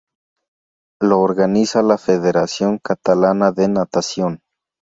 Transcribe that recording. Lo organiza la Federación Catalana de Natación.